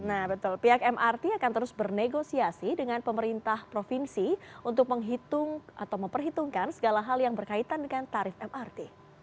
nah betul pihak mrt akan terus bernegosiasi dengan pemerintah provinsi untuk menghitung atau memperhitungkan segala hal yang berkaitan dengan tarif mrt